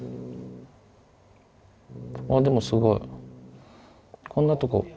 あっでもすごいこんなとこ。